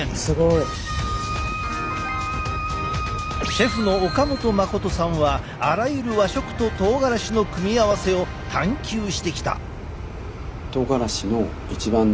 シェフの岡元信さんはあらゆる和食ととうがらしの組み合わせを探求してきた。